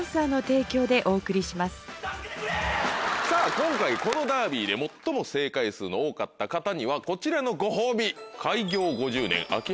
今回このダービーで最も正解数の多かった方にはこちらのご褒美。